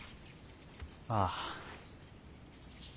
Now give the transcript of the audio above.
ああ。